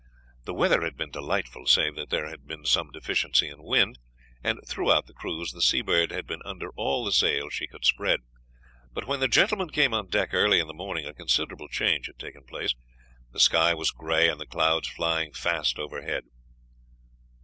The weather had been delightful, save that there had been some deficiency in wind, and throughout the cruise the Seabird had been under all the sail she could spread. But when the gentlemen came on deck early in the morning a considerable change had taken place; the sky was gray and the clouds flying fast overhead.